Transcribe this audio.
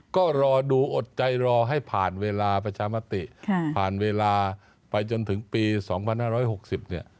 ก็รอดูอดใจรอให้ผ่านเวลาประชามติผ่านเวลาไปจนถึงปี๒๕๖๐เนี่ย